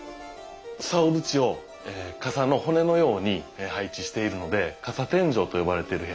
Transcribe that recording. さお縁を傘の骨のように配置しているので傘天井と呼ばれている部屋なんですよ。